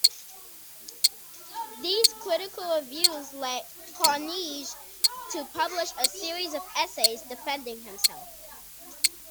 These critical reviews led Carnegie to publish a series of essays defending himself.